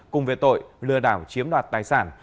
cùng về tội lừa đảo chiếm đoạt tài sản